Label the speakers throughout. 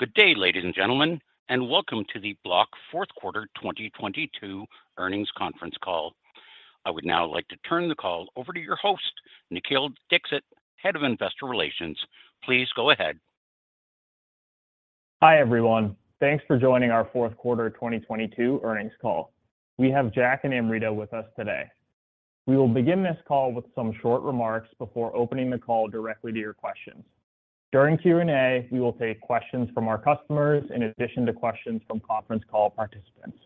Speaker 1: Good day, ladies and gentlemen, and welcome to the Block fourth quarter 2022 earnings conference call. I would now like to turn the call over to your host, Nikhil Dixit, Head of Investor Relations. Please go ahead.
Speaker 2: Hi, everyone. Thanks for joining our fourth quarter 2022 earnings call. We have Jack and Amrita with us today. We will begin this call with some short remarks before opening the call directly to your questions. During Q&A, we will take questions from our customers in addition to questions from conference call participants.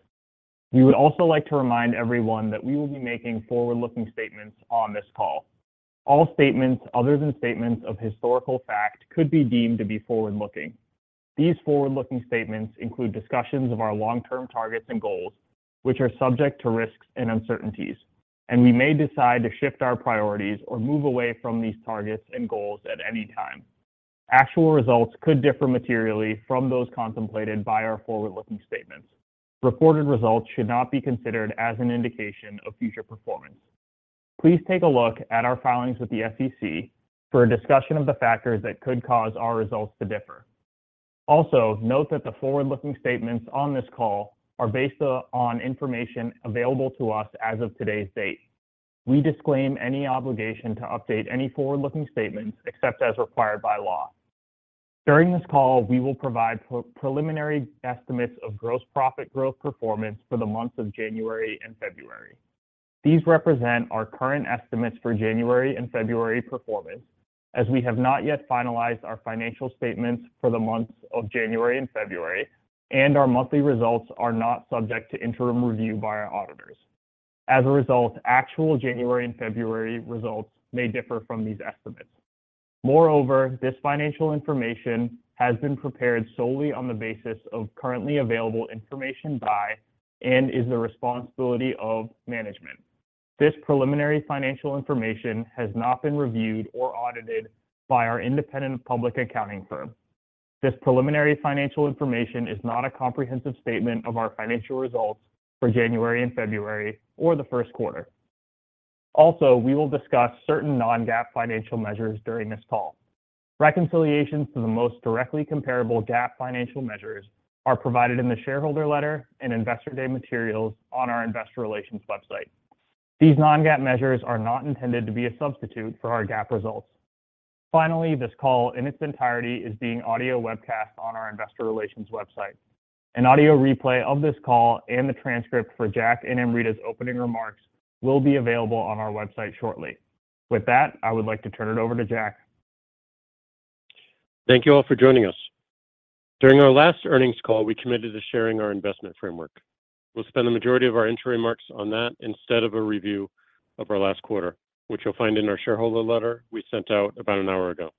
Speaker 2: We would also like to remind everyone that we will be making forward-looking statements on this call. All statements other than statements of historical fact could be deemed to be forward-looking. These forward-looking statements include discussions of our long-term targets and goals, which are subject to risks and uncertainties, and we may decide to shift our priorities or move away from these targets and goals at any time. Actual results could differ materially from those contemplated by our forward-looking statements. Reported results should not be considered as an indication of future performance. Please take a look at our filings with the SEC for a discussion of the factors that could cause our results to differ. Note that the forward-looking statements on this call are based on information available to us as of today's date. We disclaim any obligation to update any forward-looking statements except as required by law. During this call, we will provide preliminary estimates of gross profit growth performance for the months of January and February. These represent our current estimates for January and February performance, as we have not yet finalized our financial statements for the months of January and February, and our monthly results are not subject to interim review by our auditors. Actual January and February results may differ from these estimates. Moreover, this financial information has been prepared solely on the basis of currently available information by and is the responsibility of management. This preliminary financial information has not been reviewed or audited by our independent public accounting firm. This preliminary financial information is not a comprehensive statement of our financial results for January and February or the first quarter. Also, we will discuss certain non-GAAP financial measures during this call. Reconciliations to the most directly comparable GAAP financial measures are provided in the shareholder letter and Investor Day materials on our investor relations website. These non-GAAP measures are not intended to be a substitute for our GAAP results. Finally, this call in its entirety is being audio webcast on our investor relations website. An audio replay of this call and the transcript for Jack and Amrita's opening remarks will be available on our website shortly. With that, I would like to turn it over to Jack.
Speaker 3: Thank you all for joining us. During our last earnings call, we committed to sharing our investment framework. We'll spend the majority of our entry marks on that instead of a review of our last quarter, which you'll find in our shareholder letter we sent out about an hour ago.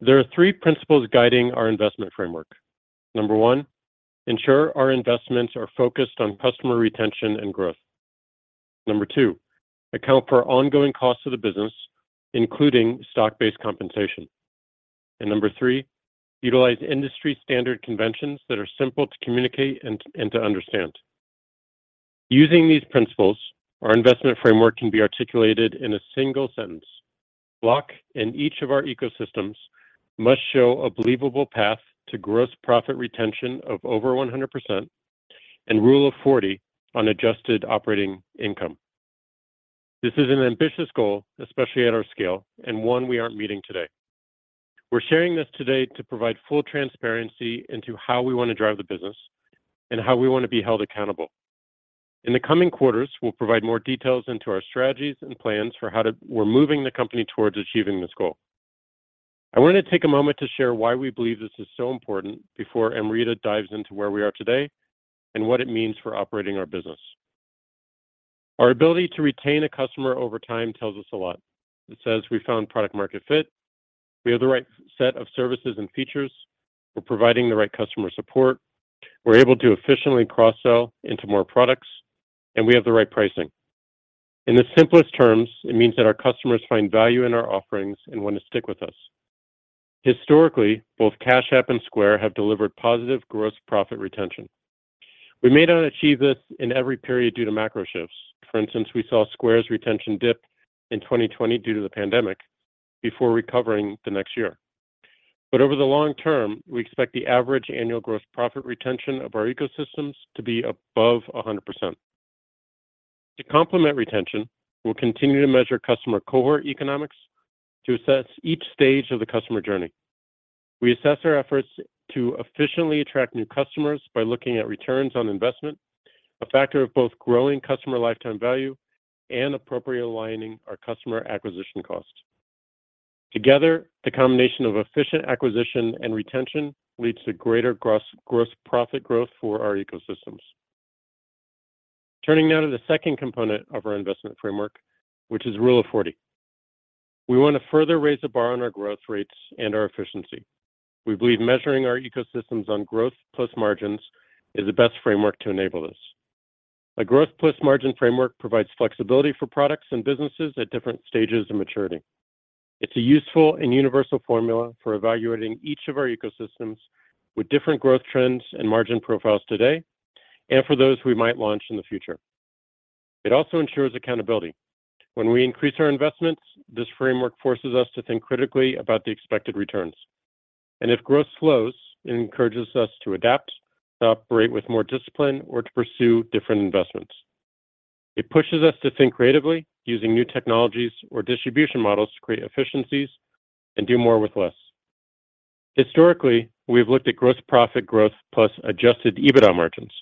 Speaker 3: There are three principles guiding our investment framework. Number one, ensure our investments are focused on customer retention and growth. Number two, account for ongoing costs of the business, including stock-based compensation. Number three, utilize industry standard conventions that are simple to communicate and to understand. Using these principles, our investment framework can be articulated in a single sentence. Block in each of our ecosystems must show a believable path to gross profit retention of over 100% and Rule of Forty on adjusted operating income. This is an ambitious goal, especially at our scale, one we aren't meeting today. We're sharing this today to provide full transparency into how we wanna drive the business and how we wanna be held accountable. In the coming quarters, we'll provide more details into our strategies and plans for how we're moving the company towards achieving this goal. I wanted to take a moment to share why we believe this is so important before Amrita dives into where we are today and what it means for operating our business. Our ability to retain a customer over time tells us a lot. It says we found product market fit. We have the right set of services and features. We're providing the right customer support. We're able to efficiently cross-sell into more products, we have the right pricing. In the simplest terms, it means that our customers find value in our offerings and wanna stick with us. Historically, both Cash App and Square have delivered positive gross profit retention. We may not achieve this in every period due to macro shifts. For instance, we saw Square's retention dip in 2020 due to the pandemic before recovering the next year. Over the long term, we expect the average annual gross profit retention of our ecosystems to be above 100%. To complement retention, we'll continue to measure customer cohort economics to assess each stage of the customer journey. We assess our efforts to efficiently attract new customers by looking at returns on investment, a factor of both growing customer lifetime value and appropriate aligning our customer acquisition costs. Together, the combination of efficient acquisition and retention leads to greater gross profit growth for our ecosystems. Turning now to the second component of our investment framework, which is Rule of Forty. We wanna further raise the bar on our growth rates and our efficiency. We believe measuring our ecosystems on growth plus margins is the best framework to enable this. A growth plus margin framework provides flexibility for products and businesses at different stages of maturity. It's a useful and universal formula for evaluating each of our ecosystems with different growth trends and margin profiles today and for those we might launch in the future. It also ensures accountability. When we increase our investments, this framework forces us to think critically about the expected returns. If growth slows, it encourages us to adapt, to operate with more discipline, or to pursue different investments. It pushes us to think creatively using new technologies or distribution models to create efficiencies and do more with less. Historically, we've looked at gross profit growth plus adjusted EBITDA margins.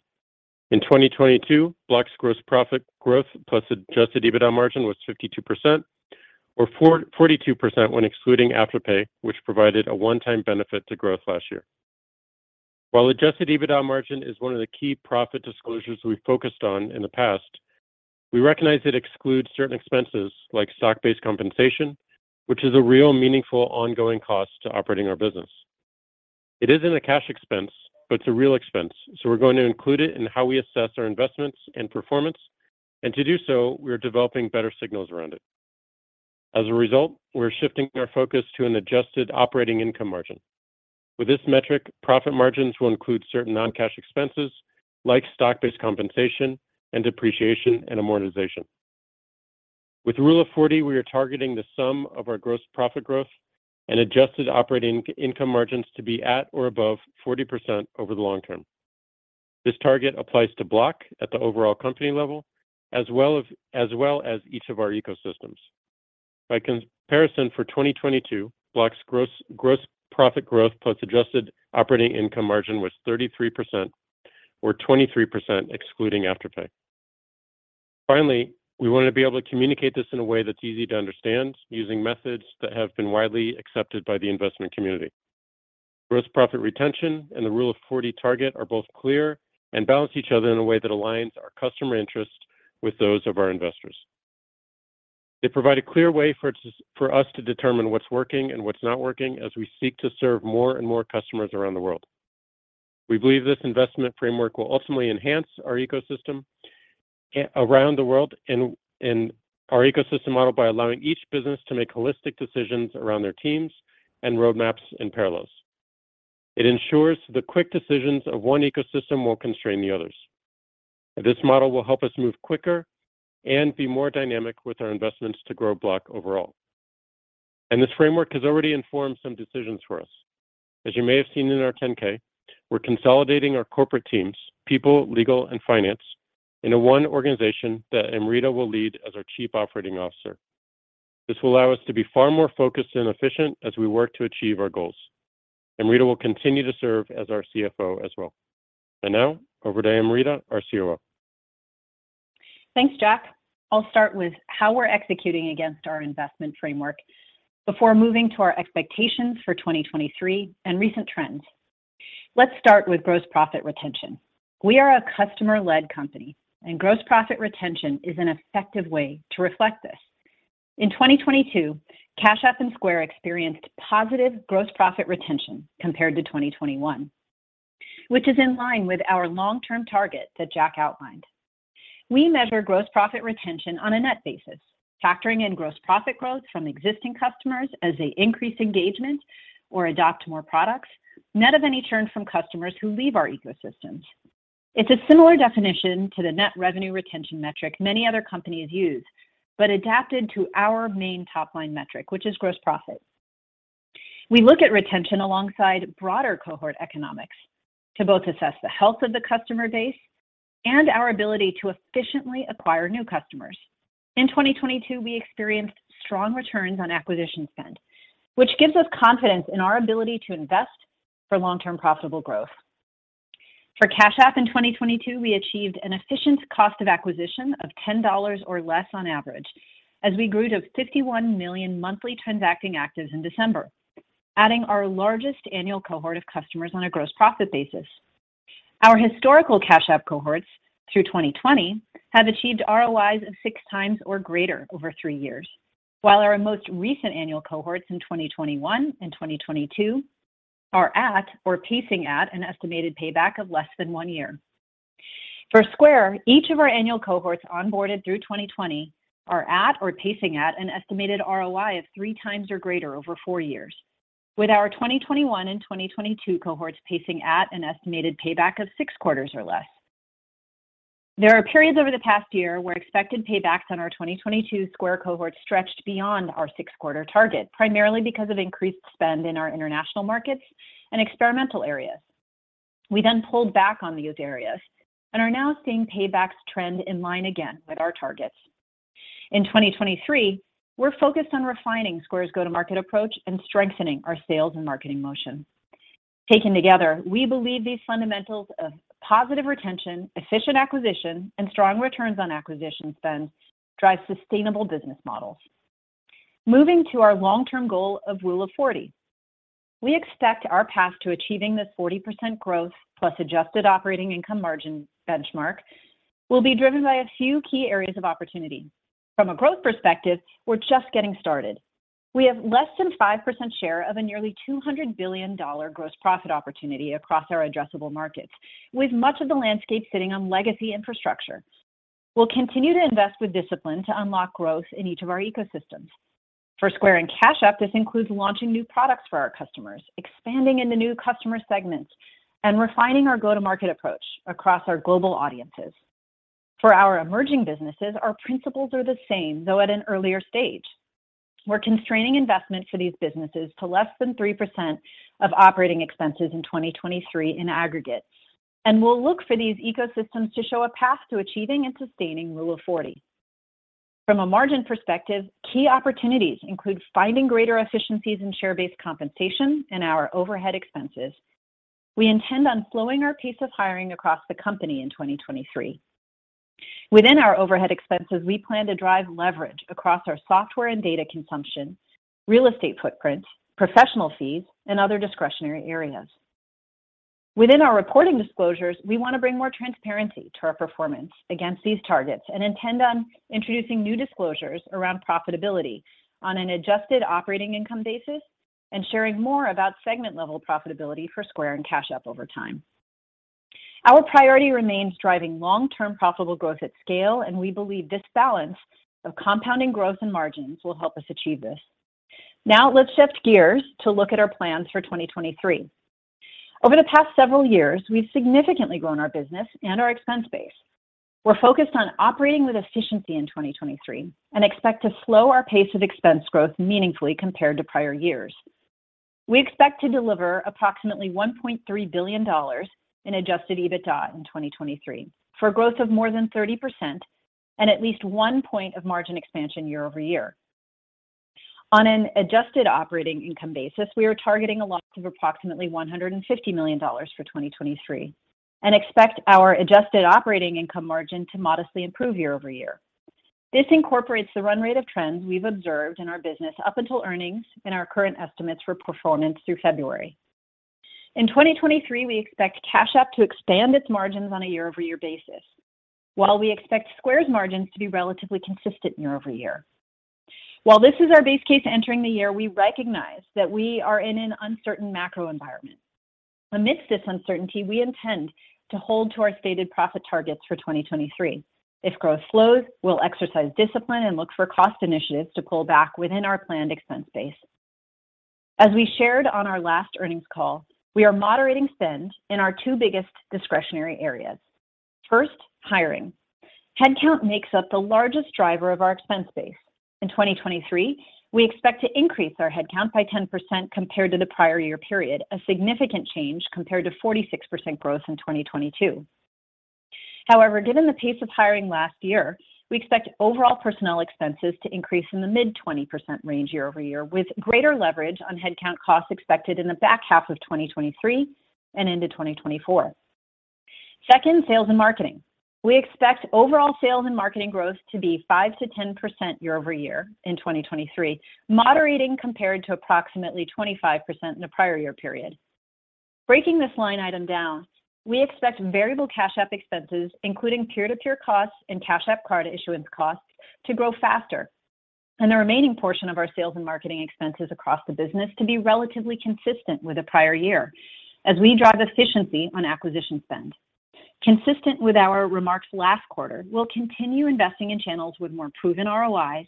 Speaker 3: In 2022, Block's gross profit growth plus adjusted EBITDA margin was 52% or 42% when excluding Afterpay, which provided a one-time benefit to growth last year. While adjusted EBITDA margin is one of the key profit disclosures we focused on in the past, we recognize it excludes certain expenses like stock-based compensation, which is a real meaningful ongoing cost to operating our business. It isn't a cash expense, but it's a real expense, so we're going to include it in how we assess our investments and performance. To do so, we're developing better signals around it. As a result, we're shifting our focus to an adjusted operating income margin. With this metric, profit margins will include certain non-cash expenses like stock-based compensation and depreciation and amortization. With Rule of Forty, we are targeting the sum of our gross profit growth and adjusted operating income margins to be at or above 40% over the long term. This target applies to Block at the overall company level, as well as each of our ecosystems. For 2022, Block's gross profit growth plus adjusted operating income margin was 33% or 23% excluding Afterpay. We wanna be able to communicate this in a way that's easy to understand using methods that have been widely accepted by the investment community. Gross profit retention and the Rule of Forty target are both clear and balance each other in a way that aligns our customer interests with those of our investors. They provide a clear way for us to determine what's working and what's not working as we seek to serve more and more customers around the world. We believe this investment framework will ultimately enhance our ecosystem around the world in our ecosystem model by allowing each business to make holistic decisions around their teams and roadmaps and parallels. It ensures the quick decisions of one ecosystem won't constrain the others. This model will help us move quicker and be more dynamic with our investments to grow Block overall. This framework has already informed some decisions for us. As you may have seen in our 10-K, we're consolidating our corporate teams, people, legal, and finance into one organization that Amrita will lead as our Chief Operating Officer. This will allow us to be far more focused and efficient as we work to achieve our goals. Amrita will continue to serve as our CFO as well. And now, over to Amrita, our COO.
Speaker 4: Thanks, Jack. I'll start with how we're executing against our investment framework before moving to our expectations for 2023 and recent trends. Let's start with gross profit retention. We are a customer-led company. Gross profit retention is an effective way to reflect this. In 2022, Cash App and Square experienced positive gross profit retention compared to 2021, which is in line with our long-term target that Jack outlined. We measure gross profit retention on a net basis, factoring in gross profit growth from existing customers as they increase engagement or adopt more products, net of any churn from customers who leave our ecosystems. It's a similar definition to the net revenue retention metric many other companies use, adapted to our main top-line metric, which is gross profit. We look at retention alongside broader cohort economics to both assess the health of the customer base and our ability to efficiently acquire new customers. In 2022, we experienced strong returns on acquisition spend, which gives us confidence in our ability to invest for long-term profitable growth. For Cash App in 2022, we achieved an efficient cost of acquisition of $10 or less on average as we grew to 51 million monthly transacting actives in December, adding our largest annual cohort of customers on a gross profit basis. Our historical Cash App cohorts through 2020 have achieved ROIs of six times or greater over three years, while our most recent annual cohorts in 2021 and 2022 are at or pacing at an estimated payback of less than one year. For Square, each of our annual cohorts onboarded through 2020 are at or pacing at an estimated ROI of three times or greater over four years, with our 2021 and 2022 cohorts pacing at an estimated payback of six quarters or less. There are periods over the past year where expected paybacks on our 2022 Square cohorts stretched beyond our 6-quarter target, primarily because of increased spend in our international markets and experimental areas. We pulled back on those areas and are now seeing paybacks trend in line again with our targets. In 2023, we're focused on refining Square's go-to-market approach and strengthening our sales and marketing motion. Taken together, we believe these fundamentals of positive retention, efficient acquisition, and strong returns on acquisition spend drive sustainable business models. Moving to our long-term goal of Rule of Forty, we expect our path to achieving this 40% growth plus adjusted operating income margin benchmark will be driven by a few key areas of opportunity. From a growth perspective, we're just getting started. We have less than 5% share of a nearly $200 billion gross profit opportunity across our addressable markets, with much of the landscape sitting on legacy infrastructure. We'll continue to invest with discipline to unlock growth in each of our ecosystems. For Square and Cash App, this includes launching new products for our customers, expanding into new customer segments, and refining our go-to-market approach across our global audiences. For our emerging businesses, our principles are the same, though at an earlier stage. We're constraining investment for these businesses to less than 3% of operating expenses in 2023 in aggregate. We'll look for these ecosystems to show a path to achieving and sustaining Rule of Forty. From a margin perspective, key opportunities include finding greater efficiencies in share-based compensation and our overhead expenses. We intend on slowing our pace of hiring across the company in 2023. Within our overhead expenses, we plan to drive leverage across our software and data consumption, real estate footprint, professional fees, and other discretionary areas. Within our reporting disclosures, we want to bring more transparency to our performance against these targets and intend on introducing new disclosures around profitability on an adjusted operating income basis and sharing more about segment-level profitability for Square and Cash App over time. Our priority remains driving long-term profitable growth at scale, and we believe this balance of compounding growth and margins will help us achieve this. Now let's shift gears to look at our plans for 2023. Over the past several years, we've significantly grown our business and our expense base. We're focused on operating with efficiency in 2023 and expect to slow our pace of expense growth meaningfully compared to prior years. We expect to deliver approximately $1.3 billion in adjusted EBITDA in 2023, for growth of more than 30% and at least 1 point of margin expansion year-over-year. On an adjusted operating income basis, we are targeting a loss of approximately $150 million for 2023 and expect our adjusted operating income margin to modestly improve year-over-year. This incorporates the run rate of trends we've observed in our business up until earnings and our current estimates for performance through February. In 2023, we expect Cash App to expand its margins on a year-over-year basis, while we expect Square's margins to be relatively consistent year-over-year. While this is our base case entering the year, we recognize that we are in an uncertain macro environment. Amidst this uncertainty, we intend to hold to our stated profit targets for 2023. If growth slows, we'll exercise discipline and look for cost initiatives to pull back within our planned expense base. As we shared on our last earnings call, we are moderating spend in our two biggest discretionary areas. First, hiring. Headcount makes up the largest driver of our expense base. In 2023, we expect to increase our headcount by 10% compared to the prior year period, a significant change compared to 46% growth in 2022. Given the pace of hiring last year, we expect overall personnel expenses to increase in the mid 20% range year-over-year, with greater leverage on headcount costs expected in the back half of 2023 and into 2024. Second, sales and marketing. We expect overall sales and marketing growth to be 5%-10% year-over-year in 2023, moderating compared to approximately 25% in the prior year period. Breaking this line item down, we expect variable Cash App expenses, including peer-to-peer costs and Cash App Card issuance costs, to grow faster, and the remaining portion of our sales and marketing expenses across the business to be relatively consistent with the prior year as we drive efficiency on acquisition spend. Consistent with our remarks last quarter, we'll continue investing in channels with more proven ROIs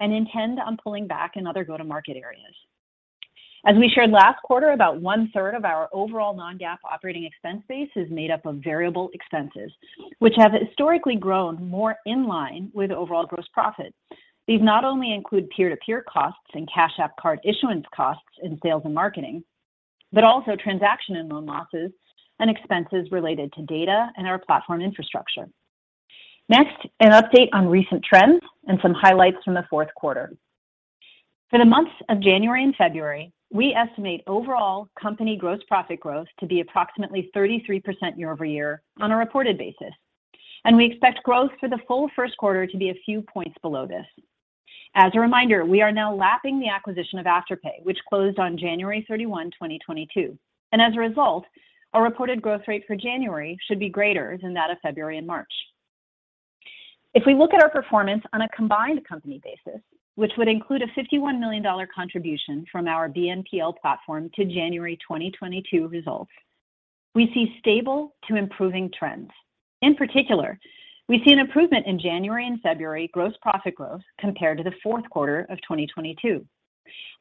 Speaker 4: and intend on pulling back in other go-to-market areas. As we shared last quarter, about one-third of our overall non-GAAP operating expense base is made up of variable expenses, which have historically grown more in line with overall gross profit. These not only include peer-to-peer costs and Cash App Card issuance costs in sales and marketing, but also transaction and loan losses and expenses related to data and our platform infrastructure. An update on recent trends and some highlights from the fourth quarter. For the months of January and February, we estimate overall company gross profit growth to be approximately 33% year-over-year on a reported basis, and we expect growth for the full first quarter to be a few points below this. As a reminder, we are now lapping the acquisition of Afterpay, which closed on January 31st, 2022, and as a result, our reported growth rate for January should be greater than that of February and March. If we look at our performance on a combined company basis, which would include a $51 million contribution from our BNPL platform to January 2022 results, we see stable to improving trends. In particular, we see an improvement in January and February gross profit growth compared to the fourth quarter of 2022.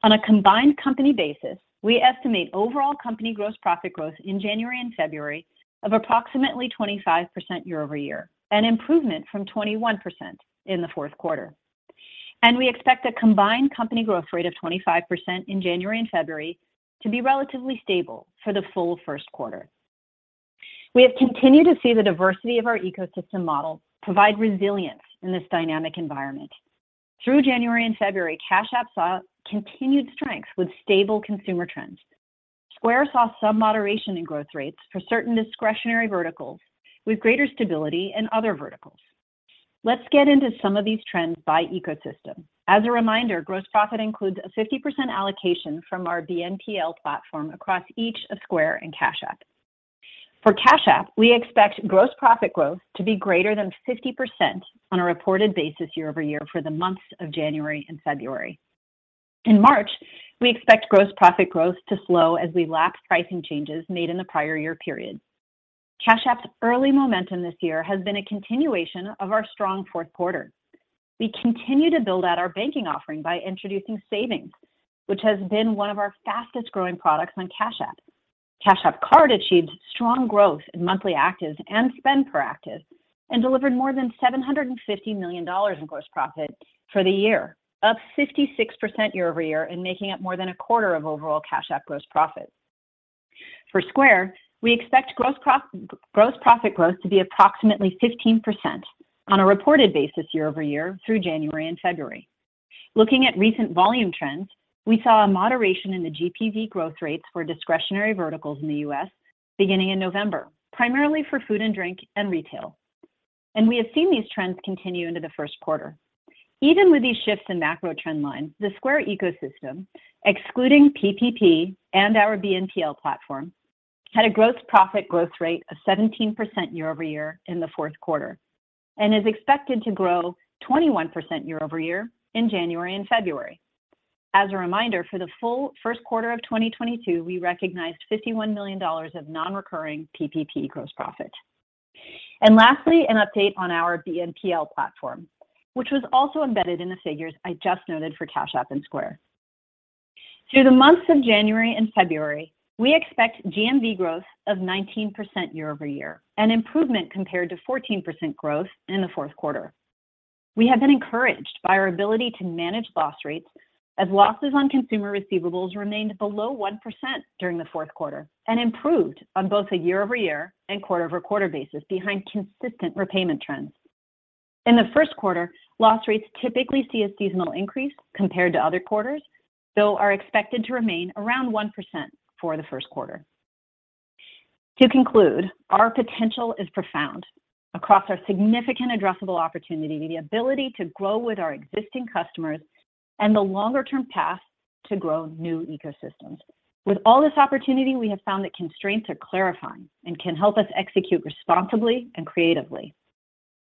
Speaker 4: On a combined company basis, we estimate overall company gross profit growth in January and February of approximately 25% year-over-year, an improvement from 21% in the fourth quarter. We expect a combined company growth rate of 25% in January and February to be relatively stable for the full first quarter. We have continued to see the diversity of our ecosystem model provide resilience in this dynamic environment. Through January and February, Cash App saw continued strength with stable consumer trends. Square saw some moderation in growth rates for certain discretionary verticals with greater stability in other verticals. Let's get into some of these trends by ecosystem. As a reminder, gross profit includes a 50% allocation from our BNPL platform across each of Square and Cash App. For Cash App, we expect gross profit growth to be greater than 50% on a reported basis year-over-year for the months of January and February. In March, we expect gross profit growth to slow as we lap pricing changes made in the prior year period. Cash App's early momentum this year has been a continuation of our strong fourth quarter. We continue to build out our banking offering by introducing Savings, which has been one of our fastest-growing products on Cash App. Cash App Card achieved strong growth in monthly actives and spend per active, and delivered more than $750 million in gross profit for the year, up 56% year-over-year and making up more than a quarter of overall Cash App gross profit. For Square, we expect gross profit growth to be approximately 15% on a reported basis year-over-year through January and February. Looking at recent volume trends, we saw a moderation in the GPV growth rates for discretionary verticals in the US beginning in November, primarily for food and drink and retail, and we have seen these trends continue into the first quarter. Even with these shifts in macro trend lines, the Square ecosystem, excluding PPP and our BNPL platform, had a gross profit growth rate of 17% year-over-year in the fourth quarter and is expected to grow 21% year-over-year in January and February. As a reminder, for the full first quarter of 2022, we recognized $51 million of non-recurring PPP gross profit. Lastly, an update on our BNPL platform, which was also embedded in the figures I just noted for Cash App and Square. Through the months of January and February, we expect GMV growth of 19% year-over-year, an improvement compared to 14% growth in the fourth quarter. We have been encouraged by our ability to manage loss rates as losses on consumer receivables remained below 1% during the fourth quarter and improved on both a year-over-year and quarter-over-quarter basis behind consistent repayment trends. In the first quarter, loss rates typically see a seasonal increase compared to other quarters, though are expected to remain around 1% for the first quarter. To conclude, our potential is profound across our significant addressable opportunity, the ability to grow with our existing customers and the longer term path to grow new ecosystems. With all this opportunity, we have found that constraints are clarifying and can help us execute responsibly and creatively.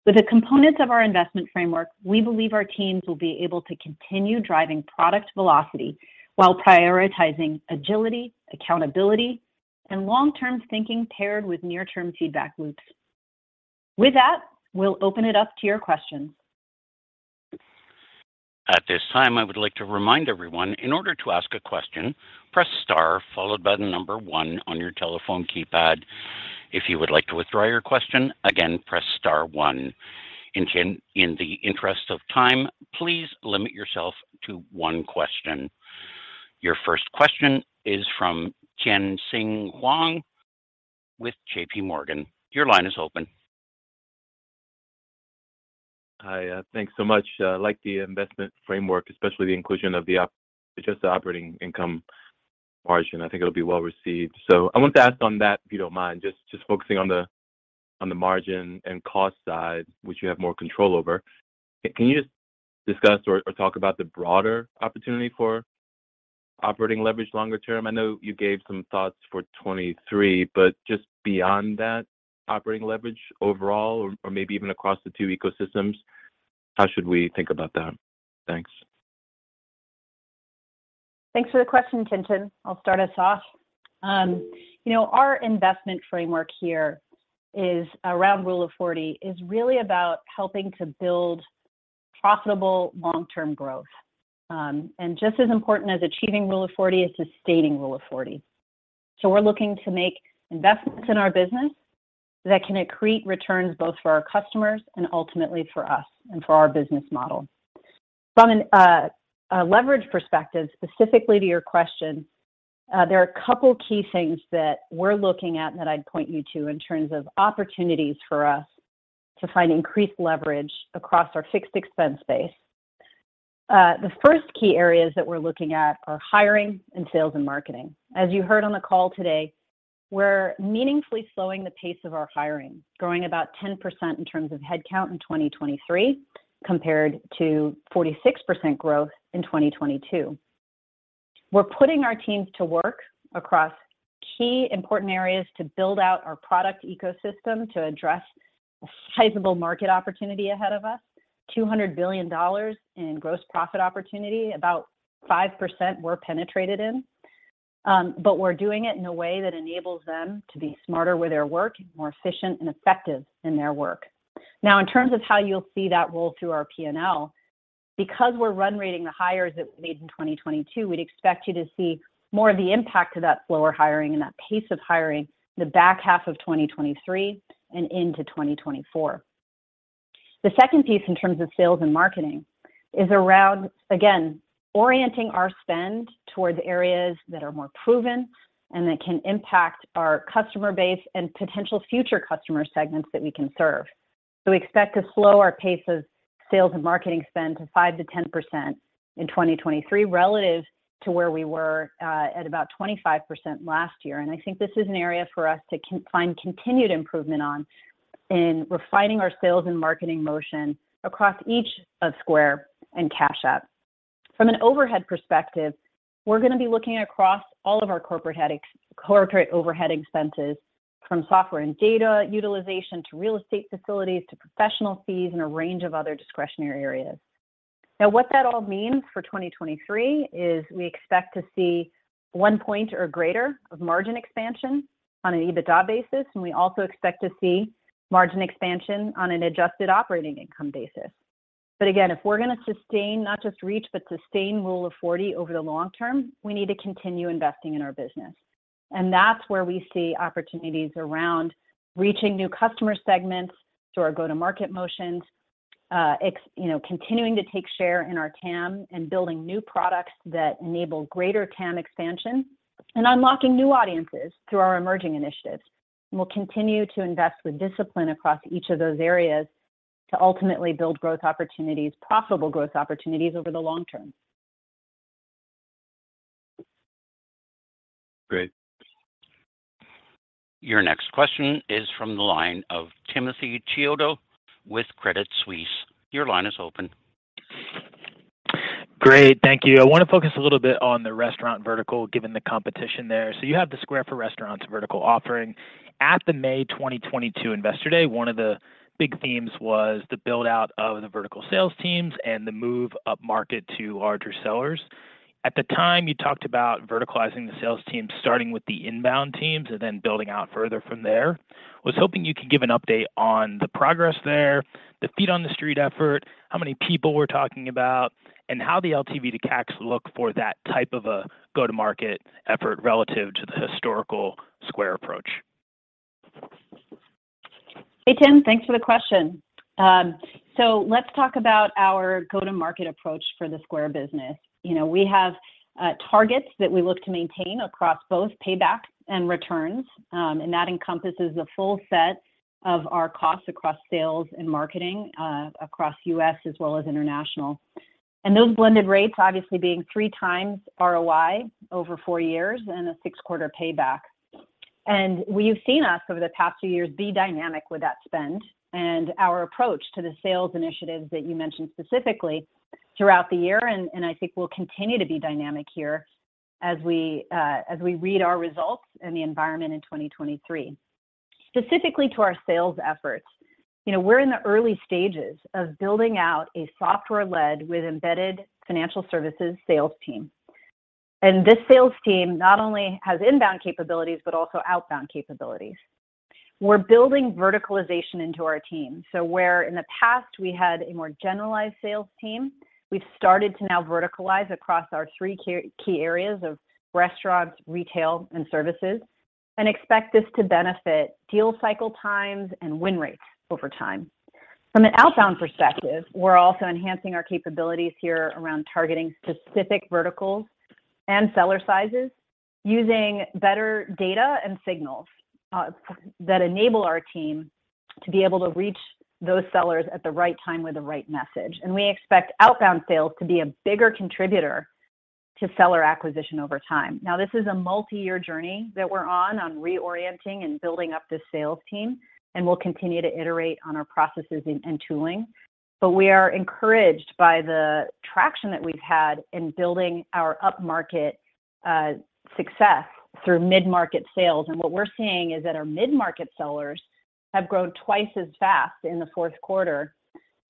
Speaker 4: With the components of our investment framework, we believe our teams will be able to continue driving product velocity while prioritizing agility, accountability, and long-term thinking paired with near-term feedback loops. With that, we'll open it up to your questions.
Speaker 1: At this time, I would like to remind everyone, in order to ask a question, press star followed by the number one on your telephone keypad. If you would like to withdraw your question, again, press star one. In the interest of time, please limit yourself to one question. Your first question is from Tien-tsin Huang with J.P. Morgan. Your line is open.
Speaker 5: Hi. Thanks so much. Like the investment framework, especially the inclusion of the adjusted operating income margin. I think it'll be well received. I want to ask on that, if you don't mind, just focusing on the margin and cost side, which you have more control over. Can you just discuss or talk about the broader opportunity for operating leverage longer term? I know you gave some thoughts for 23, but just beyond that, operating leverage overall or maybe even across the two ecosystems, how should we think about that? Thanks.
Speaker 4: Thanks for the question, Tien-tsin. I'll start us off. you know, our investment framework here is around Rule of Forty is really about helping to build profitable long-term growth. Just as important as achieving Rule of Forty is sustaining Rule of Forty. We're looking to make investments in our business that can accrete returns both for our customers and ultimately for us and for our business model. From an a leverage perspective, specifically to your question, there are two key things that we're looking at that I'd point you to in terms of opportunities for us to find increased leverage across our fixed expense base. The first key areas that we're looking at are hiring and sales and marketing. As you heard on the call today, we're meaningfully slowing the pace of our hiring, growing about 10% in terms of head count in 2023 compared to 46% growth in 2022. We're putting our teams to work across key important areas to build out our product ecosystem to address the sizable market opportunity ahead of us. $200 billion in gross profit opportunity, about 5% we're penetrated in. But we're doing it in a way that enables them to be smarter with their work, more efficient and effective in their work. Now, in terms of how you'll see that roll through our P&L, because we're run rating the hires that we made in 2022, we'd expect you to see more of the impact of that slower hiring and that pace of hiring the back half of 2023 and into 2024. The second piece in terms of sales and marketing is around, again, orienting our spend toward areas that are more proven and that can impact our customer base and potential future customer segments that we can serve. We expect to slow our pace of sales and marketing spend to 5%-10% in 2023 relative to where we were at about 25% last year. I think this is an area for us to find continued improvement on in refining our sales and marketing motion across each of Square and Cash App. From an overhead perspective, we're gonna be looking across all of our corporate overhead expenses from software and data utilization to real estate facilities to professional fees and a range of other discretionary areas. What that all means for 2023 is we expect to see 1 point or greater of margin expansion on an EBITDA basis, and we also expect to see margin expansion on an adjusted operating income basis. Again, if we're gonna sustain, not just reach, but sustain Rule of Forty over the long term, we need to continue investing in our business. That's where we see opportunities around reaching new customer segments through our go-to-market motions, you know, continuing to take share in our TAM and building new products that enable greater TAM expansion, and unlocking new audiences through our emerging initiatives. We'll continue to invest with discipline across each of those areas to ultimately build growth opportunities, profitable growth opportunities over the long term.
Speaker 5: Great.
Speaker 1: Your next question is from the line of Timothy Chiodo with Credit Suisse. Your line is open.
Speaker 6: Great. Thank you. I wanna focus a little bit on the restaurant vertical, given the competition there. You have the Square for Restaurants vertical offering. At the May 2022 Investor Day, one of the big themes was the build-out of the vertical sales teams and the move upmarket to larger sellers. At the time, you talked about verticalizing the sales team, starting with the inbound teams and then building out further from there. Was hoping you could give an update on the progress there, the feet on the street effort, how many people we're talking about, and how the LTV to CACs look for that type of a go-to-market effort relative to the historical Square approach.
Speaker 4: Hey, Tim. Thanks for the question. Let's talk about our go-to-market approach for the Square business. You know, we have targets that we look to maintain across both payback and returns, that encompasses the full set of our costs across sales and marketing, across US as well as international. Those blended rates obviously being three times ROI over four years and a six-quarter payback. We've seen us over the past few years be dynamic with that spend, and our approach to the sales initiatives that you mentioned specifically throughout the year, and I think will continue to be dynamic here as we read our results and the environment in 2023. Specifically to our sales efforts, you know, we're in the early stages of building out a software-led with embedded financial services sales team. This sales team not only has inbound capabilities, but also outbound capabilities. We're building verticalization into our team. Where in the past we had a more generalized sales team, we've started to now verticalize across our three key areas of restaurants, retail, and services, and expect this to benefit deal cycle times and win rates over time. From an outbound perspective, we're also enhancing our capabilities here around targeting specific verticals and seller sizes using better data and signals that enable our team to be able to reach those sellers at the right time with the right message. We expect outbound sales to be a bigger contributor to seller acquisition over time. This is a multi-year journey that we're on reorienting and building up this sales team, and we'll continue to iterate on our processes and tooling. We are encouraged by the traction that we've had in building our upmarket success through mid-market sales. What we're seeing is that our mid-market sellers have grown twice as fast in the fourth quarter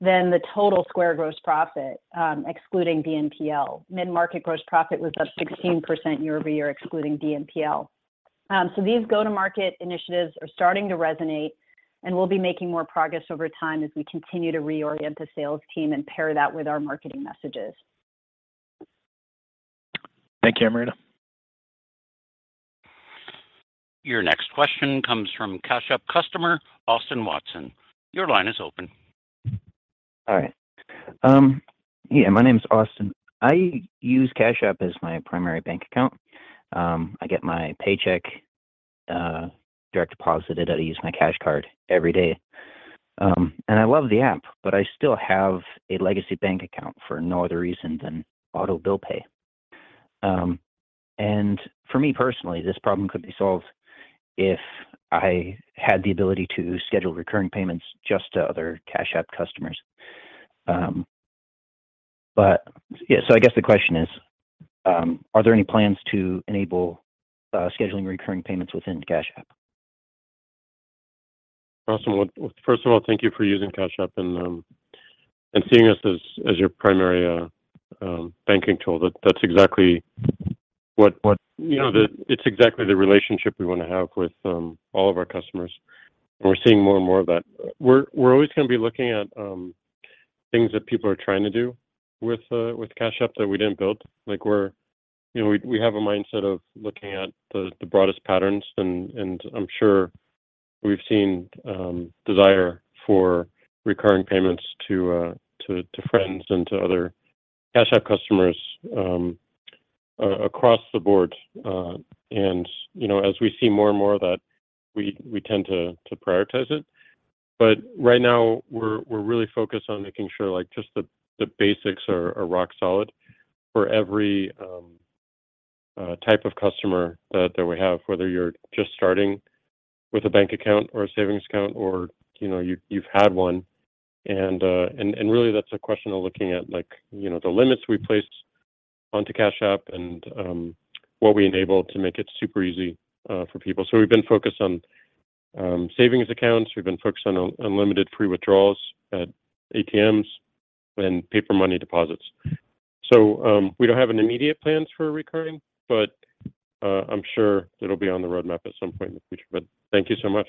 Speaker 4: than the total Square gross profit, excluding BNPL. Mid-market gross profit was up 16% year-over-year, excluding BNPL. These go-to-market initiatives are starting to resonate, and we'll be making more progress over time as we continue to reorient the sales team and pair that with our marketing messages.
Speaker 6: Thank you, Amrita.
Speaker 1: Your next question comes from Cash App customer, Austin Watson. Your line is open.
Speaker 7: All right. Yeah, my name's Austin. I use Cash App as my primary bank account. I get my paycheck direct deposited. I use my Cash Card every day. I love the app, but I still have a legacy bank account for no other reason than auto bill pay. For me personally, this problem could be solved if I had the ability to schedule recurring payments just to other Cash App customers. Yeah, I guess the question is, are there any plans to enable scheduling recurring payments within Cash App?
Speaker 3: Austin, well, first of all, thank you for using Cash App and seeing us as your primary banking tool. That's exactly what. You know, it's exactly the relationship we wanna have with all of our customers, and we're seeing more and more of that. We're always gonna be looking at things that people are trying to do with Cash App that we didn't build. Like we're, you know, we have a mindset of looking at the broadest patterns and I'm sure we've seen desire for recurring payments to friends and to other Cash App customers across the board. You know, as we see more and more of that, we tend to prioritize it. Right now we're really focused on making sure just the basics are rock solid for every type of customer that we have, whether you're just starting with a bank account or a Savings account or, you know, you've had one. Really that's a question of looking at, you know, the limits we placed onto Cash App and what we enable to make it super easy for people. We've been focused on Savings accounts. We've been focused on unlimited free withdrawals at ATMs and paper money deposits. We don't have any immediate plans for recurring, I'm sure it'll be on the roadmap at some point in the future. Thank you so much.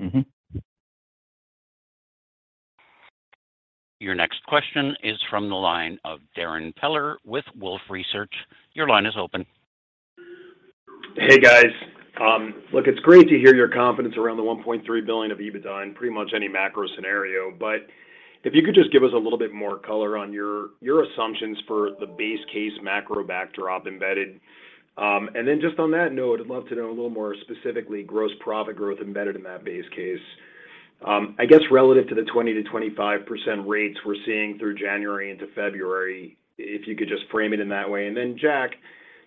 Speaker 7: Mm-hmm.
Speaker 1: Your next question is from the line of Darrin Peller with Wolfe Research. Your line is open.
Speaker 8: Hey, guys. look, it's great to hear your confidence around the $1.3 billion of EBITDA in pretty much any macro scenario. If you could just give us a little bit more color on your assumptions for the base case macro backdrop embedded. Just on that note, I'd love to know a little more specifically gross profit growth embedded in that base case, I guess relative to the 20%-25% rates we're seeing through January into February, if you could just frame it in that way. Jack,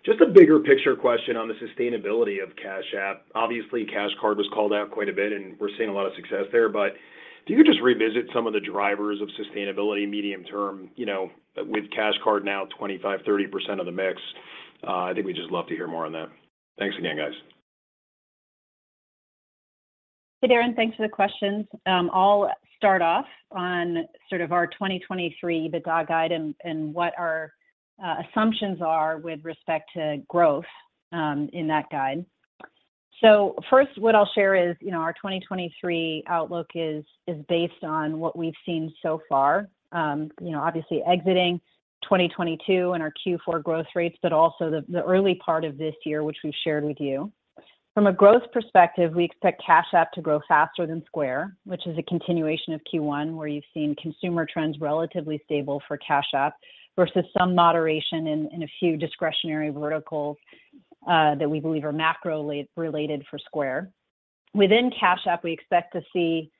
Speaker 8: just a bigger picture question on the sustainability of Cash App. Obviously, Cash Card was called out quite a bit, and we're seeing a lot of success there. If you could just revisit some of the drivers of sustainability medium term, you know, with Cash Card now 25%, 30% of the mix, I think we'd just love to hear more on that. Thanks again, guys.
Speaker 4: Hey, Darrin. Thanks for the questions. I'll start off on sort of our 2023 EBITDA guide and what our assumptions are with respect to growth in that guide. First, what I'll share is, you know, our 2023 outlook is based on what we've seen so far, you know, obviously exiting 2022 and our Q4 growth rates, but also the early part of this year, which we've shared with you. From a growth perspective, we expect Cash App to grow faster than Square, which is a continuation of Q1, where you've seen consumer trends relatively stable for Cash App versus some moderation in a few discretionary verticals that we believe are macro-related for Square. Within Cash App, we expect to see,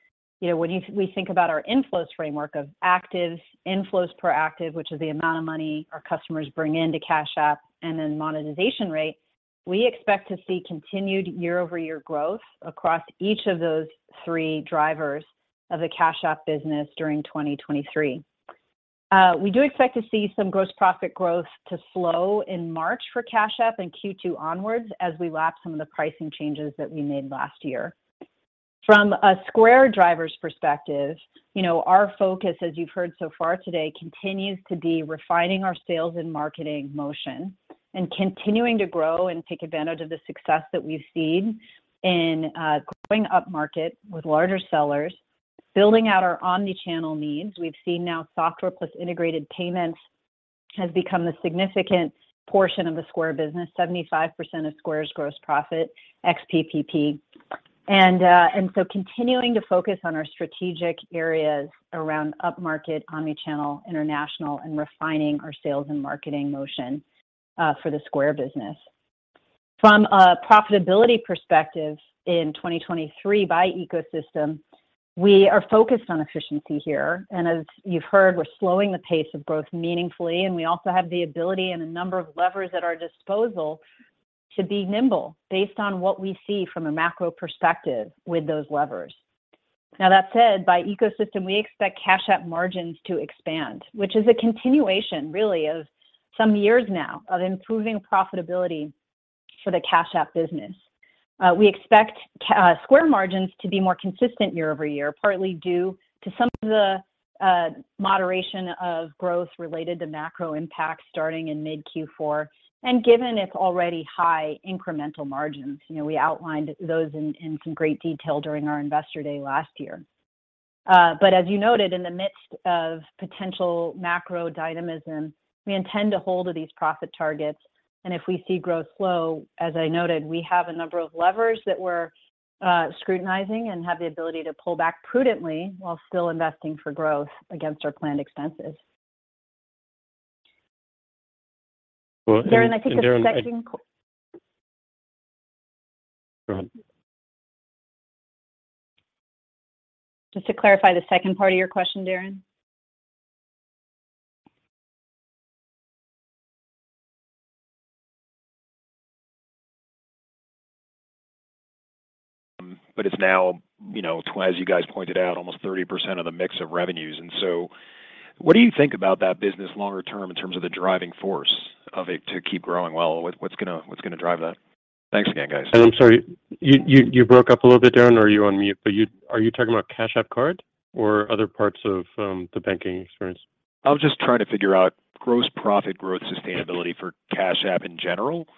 Speaker 4: you know, when we think about our inflows framework of actives, inflows per active, which is the amount of money our customers bring into Cash App, and then monetization rate, we expect to see continued year-over-year growth across each of those three drivers of the Cash App business during 2023. We do expect to see some gross profit growth to slow in March for Cash App and Q2 onwards as we lap some of the pricing changes that we made last year. From a Square drivers perspective, you know, our focus, as you've heard so far today, continues to be refining our sales and marketing motion and continuing to grow and take advantage of the success that we've seen in going up market with larger sellers, building out our omni-channel needs. We've seen now software plus integrated payments has become a significant portion of the Square business, 75% of Square's gross profit ex PPP. Continuing to focus on our strategic areas around up-market, omni-channel, international, and refining our sales and marketing motion for the Square business. From a profitability perspective in 2023 by ecosystem, we are focused on efficiency here. As you've heard, we're slowing the pace of growth meaningfully, and we also have the ability and a number of levers at our disposal to be nimble based on what we see from a macro perspective with those levers. That said, by ecosystem, we expect Cash App margins to expand, which is a continuation really of some years now of improving profitability for the Cash App business. We expect Square margins to be more consistent year-over-year, partly due to some of the moderation of growth related to macro impacts starting in mid Q4. Given its already high incremental margins, you know, we outlined those in some great detail during our Investor Day last year. As you noted, in the midst of potential macro dynamism, we intend to hold to these profit targets. If we see growth slow, as I noted, we have a number of levers that we're scrutinizing and have the ability to pull back prudently while still investing for growth against our planned expenses.
Speaker 3: Well, Darrin-
Speaker 4: Darrin, I think the second-
Speaker 3: Go ahead.
Speaker 4: Just to clarify the second part of your question, Darrin.
Speaker 8: it's now, you know, as you guys pointed out, almost 30% of the mix of revenues. What do you think about that business longer term in terms of the driving force of it to keep growing? Well, what's gonna drive that? Thanks again, guys.
Speaker 3: I'm sorry, you broke up a little bit, Darrin, or are you on mute? Are you talking about Cash App Card or other parts of the banking experience?
Speaker 8: I was just trying to figure out gross profit growth sustainability for Cash App in general.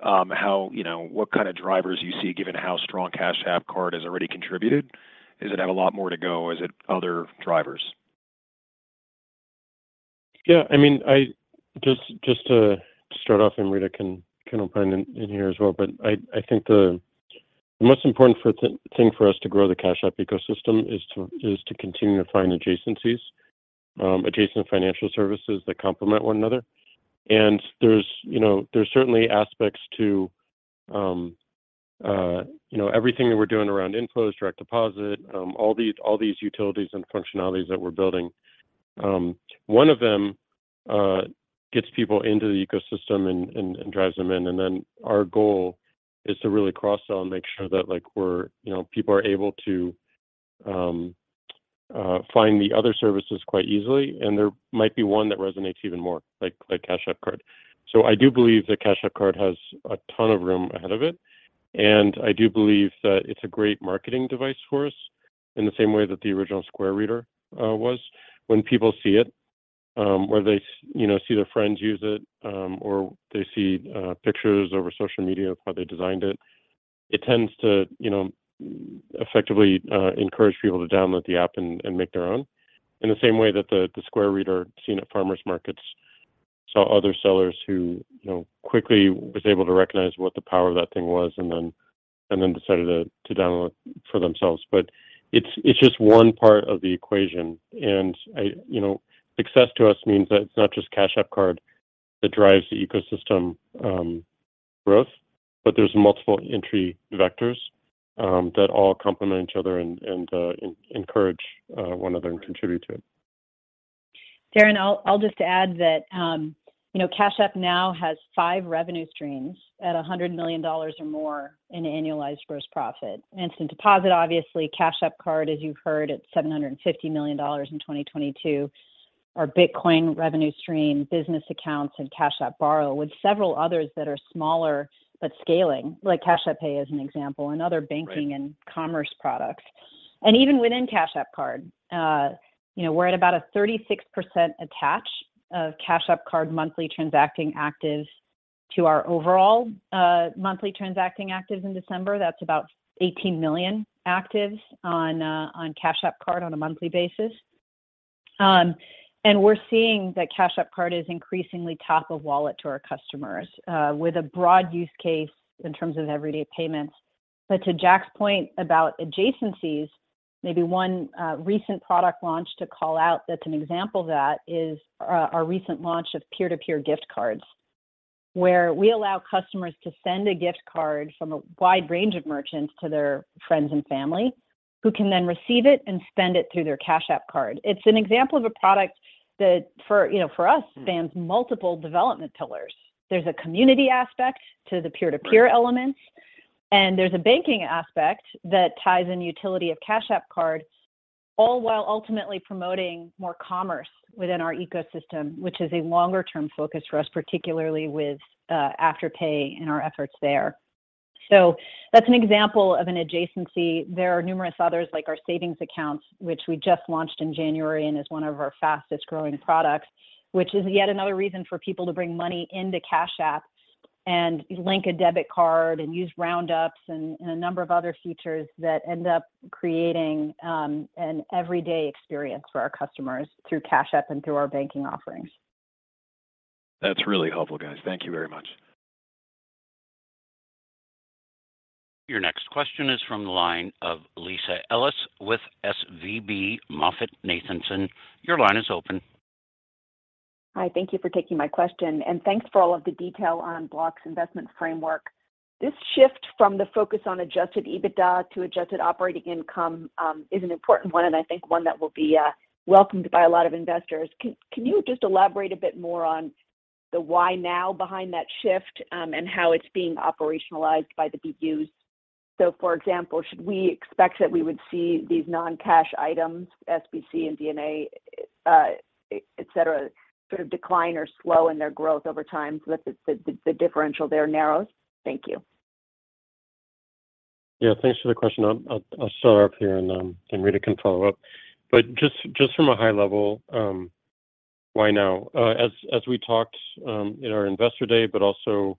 Speaker 8: How, you know, what kind of drivers you see given how strong Cash App Card has already contributed. Does it have a lot more to go? Is it other drivers?
Speaker 3: Yeah. I mean, I just to start off, Amrita can hop in here as well. I think the most important thing for us to grow the Cash App ecosystem is to continue to find adjacencies, adjacent financial services that complement one another. There's, you know, there's certainly aspects to, you know, everything that we're doing around inflows, direct deposit, all these utilities and functionalities that we're building. One of them gets people into the ecosystem and drives them in. Our goal is to really cross-sell and make sure that, like, we're, you know, people are able to find the other services quite easily, and there might be one that resonates even more, like Cash App Card. I do believe that Cash App Card has a ton of room ahead of it, and I do believe that it's a great marketing device for us in the same way that the original Square Reader was. When people see it, you know, see their friends use it, or they see pictures over social media of how they designed it tends to, you know, effectively encourage people to download the app and make their own. In the same way that the Square Reader seen at farmers markets saw other sellers who, you know, quickly was able to recognize what the power of that thing was and then decided to download for themselves. It's just one part of the equation. You know, success to us means that it's not just Cash App Card that drives the ecosystem, growth, but there's multiple entry vectors, that all complement each other and encourage one another and contribute to it.
Speaker 4: Darrin, I'll just add that, you know, Cash App now has five revenue streams at $100 million or more in annualized gross profit. Instant Deposit, obviously, Cash App Card, as you've heard, at $750 million in 2022. Our Bitcoin revenue stream, business accounts, and Cash App Borrow, with several others that are smaller but scaling, like Cash App Pay as an example, and other banking-
Speaker 3: Right.
Speaker 4: and commerce products. Even within Cash App Card, you know, we're at about a 36% attach of Cash App Card monthly transacting actives to our overall monthly transacting actives in December. That's about 18 million actives on Cash App Card on a monthly basis. We're seeing that Cash App Card is increasingly top of wallet to our customers with a broad use case in terms of everyday payments. To Jack's point about adjacencies, maybe one recent product launch to call out that's an example of that is our recent launch of peer-to-peer gift cards, where we allow customers to send a gift card from a wide range of merchants to their friends and family, who can then receive it and spend it through their Cash App Card. It's an example of a product that for, you know, for us spans multiple development pillars. There's a community aspect to the peer-to-peer elements, and there's a banking aspect that ties in utility of Cash App Card, all while ultimately promoting more commerce within our ecosystem, which is a longer term focus for us, particularly with Afterpay and our efforts there. That's an example of an adjacency. There are numerous others, like our savings accounts, which we just launched in January and is one of our fastest growing products, which is yet another reason for people to bring money into Cash App and link a debit card and use roundups and a number of other features that end up creating an everyday experience for our customers through Cash App and through our banking offerings.
Speaker 1: That's really helpful, guys. Thank you very much. Your next question is from the line of Lisa Ellis with SVB MoffettNathanson. Your line is open.
Speaker 9: Hi, thank you for taking my question, and thanks for all of the detail on Block's investment framework. This shift from the focus on adjusted EBITDA to adjusted operating income, is an important one, and I think one that will be welcomed by a lot of investors. Can you just elaborate a bit more on the why now behind that shift, and how it's being operationalized by the BUs? For example, should we expect that we would see these non-cash items, SBC and D&A, et cetera, sort of decline or slow in their growth over time so that the differential there narrows? Thank you.
Speaker 3: Yeah. Thanks for the question. I'll start off here, Amrita can follow up. Just from a high level, why now? As we talked in our Investor Day, but also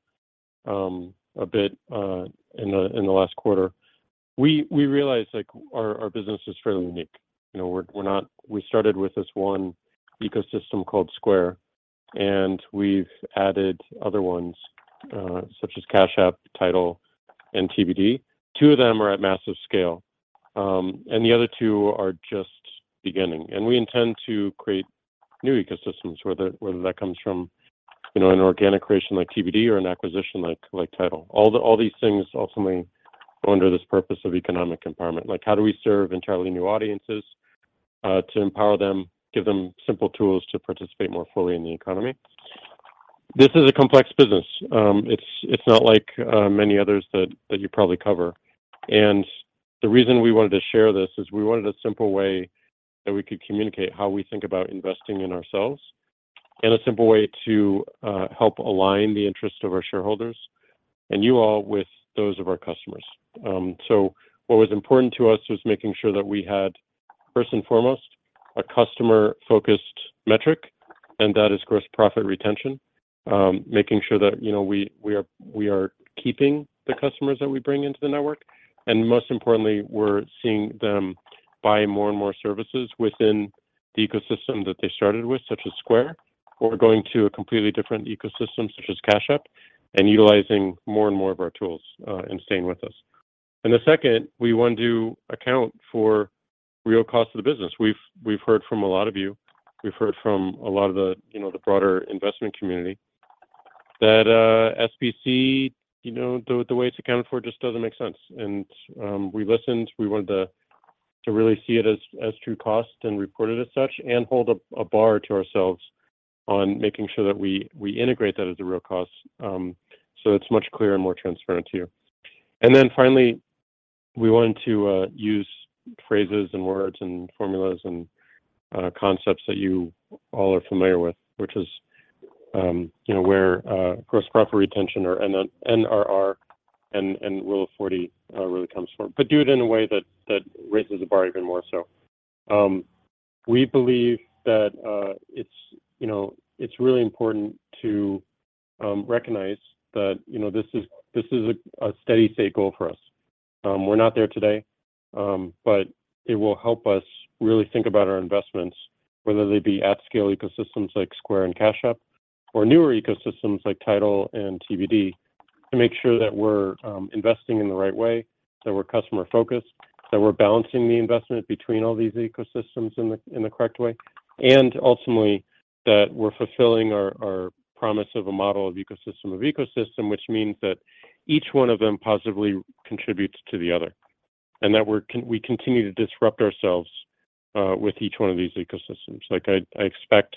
Speaker 3: a bit in the last quarter, we realized, like, our business is fairly unique. You know, we started with this one ecosystem called Square, and we've added other ones, such as Cash App, Tidal, and TBD. Two of them are at massive scale, and the other two are just beginning. We intend to create new ecosystems, whether that comes from, you know, an organic creation like TBD or an acquisition like Tidal. All these things ultimately fall under this purpose of economic empowerment. Like, how do we serve entirely new audiences to empower them, give them simple tools to participate more fully in the economy? This is a complex business. It's not like many others that you probably cover. The reason we wanted to share this is we wanted a simple way that we could communicate how we think about investing in ourselves and a simple way to help align the interests of our shareholders and you all with those of our customers. What was important to us was making sure that we had, first and foremost, a customer-focused metric, and that is gross profit retention, making sure that, you know, we are keeping the customers that we bring into the network, and most importantly, we're seeing them buy more and more services within the ecosystem that they started with, such as Square, or going to a completely different ecosystem, such as Cash App, and utilizing more and more of our tools, and staying with us. The second, we want to account for real cost of the business. We've heard from a lot of you, we've heard from a lot of the, you know, the broader investment community that SBC, you know, the way it's accounted for just doesn't make sense. We listened. We wanted to really see it as true cost and report it as such, and hold a bar to ourselves on making sure that we integrate that as a real cost, so it's much clearer and more transparent to you. Then finally, we want to use phrases and words and formulas and concepts that you all are familiar with, which is, you know, where gross profit retention or NRR and Rule of Forty really comes from. Do it in a way that raises the bar even more so. We believe that, it's, you know, it's really important to recognize that, you know, this is a steady-state goal for us. We're not there today, but it will help us really think about our investments, whether they be at scale ecosystems like Square and Cash App or newer ecosystems like Tidal and TBD, to make sure that we're investing in the right way, that we're customer-focused, that we're balancing the investment between all these ecosystems in the, in the correct way, and ultimately, that we're fulfilling our promise of a model of ecosystem of ecosystem, which means that each one of them positively contributes to the other, and that we continue to disrupt ourselves with each one of these ecosystems. Like I expect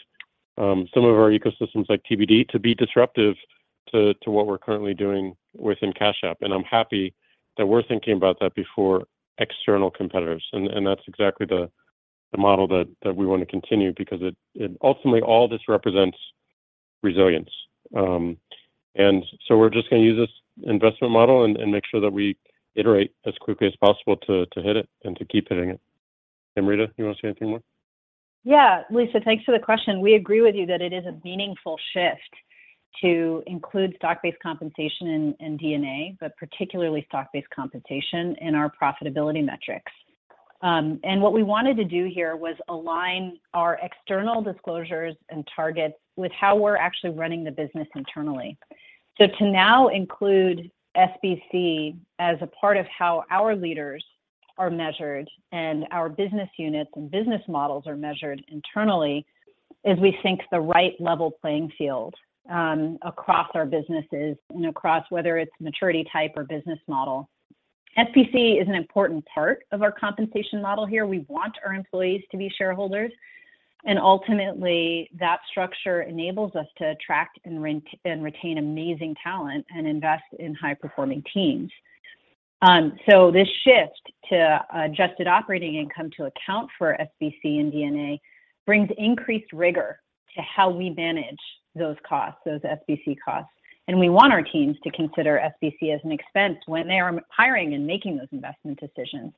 Speaker 3: some of our ecosystems like TBD to be disruptive to what we're currently doing within Cash App, and I'm happy that we're thinking about that before external competitors. That's exactly the model that we wanna continue. Ultimately, all this represents resilience. We're just gonna use this investment model and make sure that we iterate as quickly as possible to hit it and to keep hitting it. Amrita, you wanna say anything more?
Speaker 4: Yeah. Lisa, thanks for the question. We agree with you that it is a meaningful shift to include stock-based compensation in D&A, but particularly stock-based compensation in our profitability metrics. What we wanted to do here was align our external disclosures and targets with how we're actually running the business internally. To now include SBC as a part of how our leaders are measured and our business units and business models are measured internally is, we think, the right level playing field across our businesses and across whether it's maturity type or business model. SBC is an important part of our compensation model here. We want our employees to be shareholders, and ultimately, that structure enables us to attract and retain amazing talent and invest in high-performing teams. This shift to adjusted operating income to account for SBC in D&A brings increased rigor to how we manage those SBC costs, and we want our teams to consider SBC as an expense when they are hiring and making those investment decisions.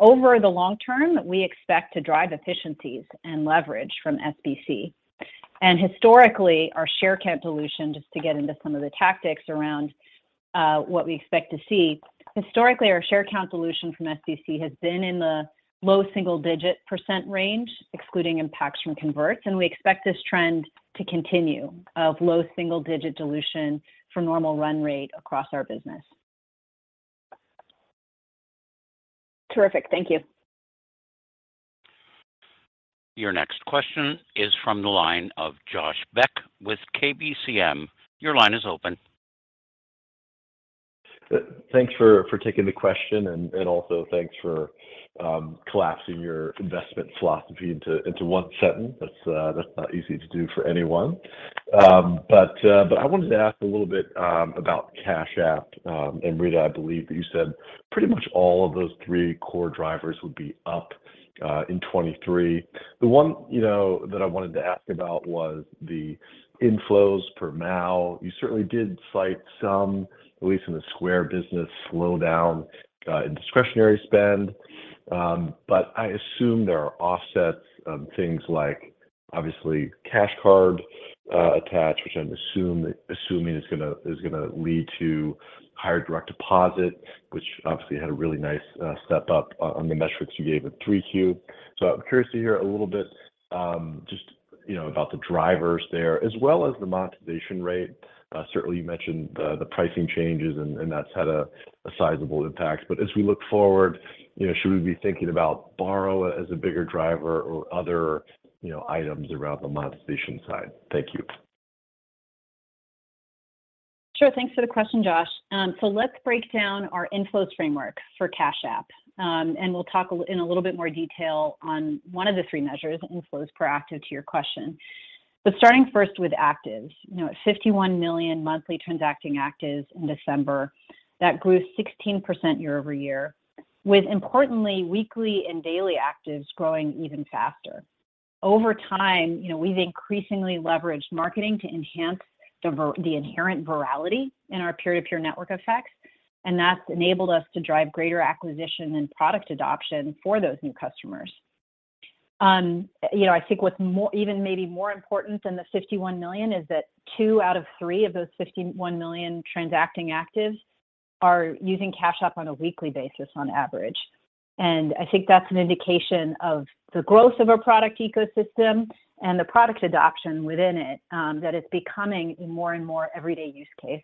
Speaker 4: Over the long term, we expect to drive efficiencies and leverage from SBC. Historically, our share count dilution, just to get into some of the tactics around what we expect to see. Historically, our share count dilution from SBC has been in the low single-digit percent range, excluding impacts from converts, and we expect this trend to continue of low single-digit dilution for normal run rate across our business.
Speaker 9: Terrific. Thank you.
Speaker 1: Your next question is from the line of Josh Beck with KBCM. Your line is open.
Speaker 10: Thanks for taking the question, and also thanks for collapsing your investment philosophy into one sentence. That's not easy to do for anyone. I wanted to ask a little bit about Cash App. Amrita, I believe that you said pretty much all of those three core drivers would be up in 23. The one, you know, that I wanted to ask about was the inflows per MAU. You certainly did cite some, at least in the Square business, slowdown in discretionary spend. I assume there are offsets of things like, obviously, Cash Card, attach, which I'm assuming is gonna lead to higher direct deposit, which obviously had a really nice step up on the metrics you gave with 3Q. I'm curious to hear a little bit, just, you know, about the drivers there as well as the monetization rate. Certainly you mentioned the pricing changes and that's had a sizable impact. As we look forward, you know, should we be thinking about Borrow as a bigger driver or other, you know, items around the monetization side? Thank you.
Speaker 4: Sure. Thanks for the question, Josh. Let's break down our inflows framework for Cash App. We'll talk in a little bit more detail on one of the three measures, inflows per active, to your question. Starting first with actives. You know, at 51 million monthly transacting actives in December, that grew 16% year-over-year, with importantly weekly and daily actives growing even faster. Over time, you know, we've increasingly leveraged marketing to enhance the inherent virality in our peer-to-peer network effects, and that's enabled us to drive greater acquisition and product adoption for those new customers. You know, I think what's more, even maybe more important than the 51 million is that two out of three of those 51 million transacting actives are using Cash App on a weekly basis on average. I think that's an indication of the growth of our product ecosystem and the product adoption within it, that it's becoming a more and more everyday use case.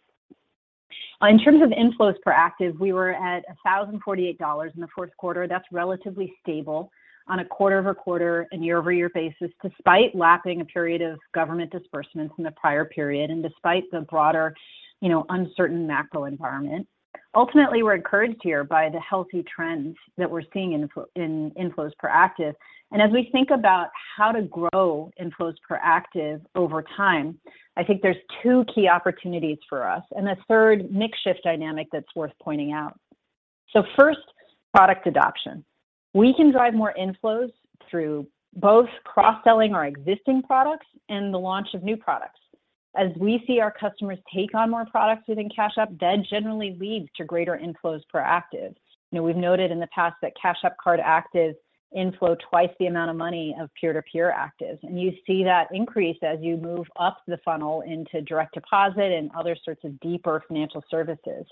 Speaker 4: In terms of inflows per active, we were at $1,048 in the fourth quarter. That's relatively stable on a quarter-over-quarter and year-over-year basis, despite lacking a period of government disbursements in the prior period and despite the broader, you know, uncertain macro environment. Ultimately, we're encouraged here by the healthy trends that we're seeing in inflows per active. As we think about how to grow inflows per active over time, I think there's two key opportunities for us and a third mix shift dynamic that's worth pointing out. So first, product adoption. We can drive more inflows through both cross-selling our existing products and the launch of new products. As we see our customers take on more products within Cash App, that generally leads to greater inflows per active. You know, we've noted in the past that Cash App Card actives inflow twice the amount of money of peer-to-peer actives. You see that increase as you move up the funnel into direct deposit and other sorts of deeper financial services.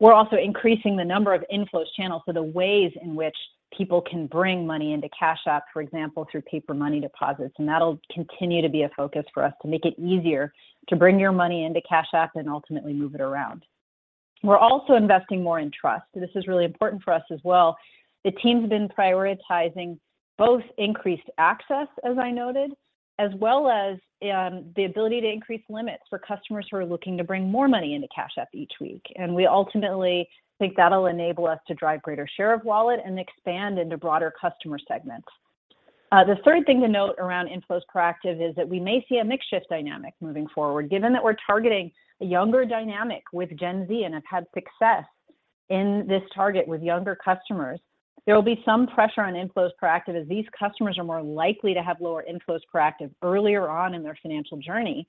Speaker 4: We're also increasing the number of inflows channels, so the ways in which people can bring money into Cash App, for example, through paper money deposits. That'll continue to be a focus for us to make it easier to bring your money into Cash App and ultimately move it around. We're also investing more in trust. This is really important for us as well. The team's been prioritizing both increased access, as I noted, as well as the ability to increase limits for customers who are looking to bring more money into Cash App each week. We ultimately think that'll enable us to drive greater share of wallet and expand into broader customer segments. The third thing to note around inflows per active is that we may see a mix shift dynamic moving forward. Given that we're targeting a younger dynamic with Gen Z and have had success in this target with younger customers, there will be some pressure on inflows per active as these customers are more likely to have lower inflows per active earlier on in their financial journey.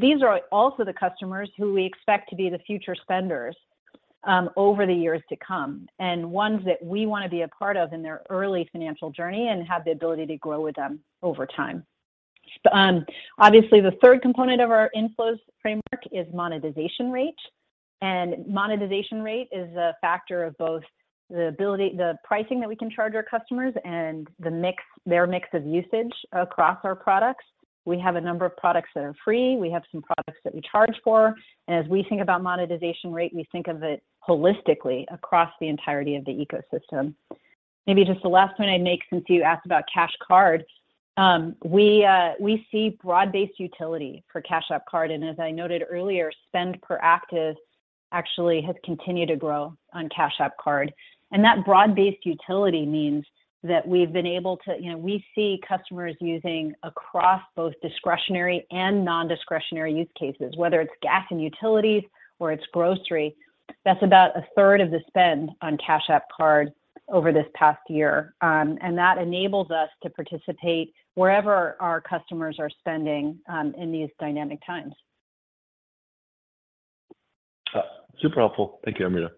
Speaker 4: These are also the customers who we expect to be the future spenders, over the years to come, and ones that we wanna be a part of in their early financial journey and have the ability to grow with them over time. Obviously, the third component of our inflows framework is monetization rate. Monetization rate is a factor of both the pricing that we can charge our customers and the mix, their mix of usage across our products. We have a number of products that are free. We have some products that we charge for. As we think about monetization rate, we think of it holistically across the entirety of the ecosystem. Maybe just the last point I'd make since you asked about Cash Card. We see broad-based utility for Cash App Card. As I noted earlier, spend per active actually has continued to grow on Cash App Card. That broad-based utility means that we've been able to, you know, we see customers using across both discretionary and non-discretionary use cases. Whether it's gas and utilities or it's grocery, that's about a third of the spend on Cash App Card over this past year. That enables us to participate wherever our customers are spending in these dynamic times.
Speaker 10: Super helpful. Thank you, Amrita.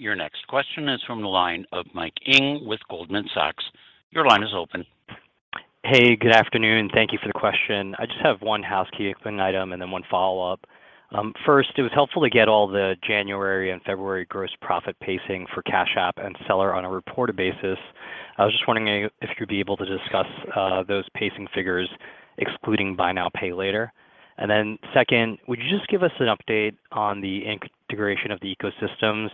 Speaker 1: Your next question is from the line of Mike Ng with Goldman Sachs. Your line is open.
Speaker 11: Hey, good afternoon. Thank you for the question. I just have one housekeeping item and then one follow-up. First, it was helpful to get all the January and February gross profit pacing for Cash App and Seller on a reported basis. I was just wondering if you'd be able to discuss those pacing figures excluding buy now, pay later. Second, would you just give us an update on the integration of the ecosystems,